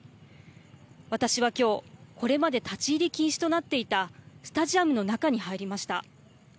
私は今日、これまで立ち入り禁止となっていたスタジアムの中に入りました。